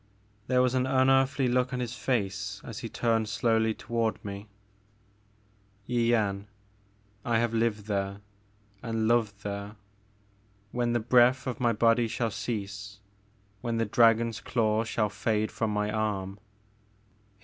There was an unearthly look on his face as he turned slowly toward me. Yian, — I have lived there — and loved there. When the breath of my body shall cease, when the dragon's claw shall fade from my arm," — ^he The Maker of Moons.